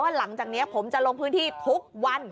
หลังจากนี้ผมจะลงพื้นที่ทุกวัน